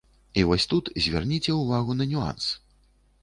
І вось тут звярніце ўвагу на нюанс.